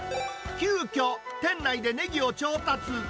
急きょ、店内でネギを調達。